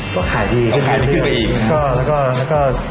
ก็ขายดีขายดีขึ้นไปอีก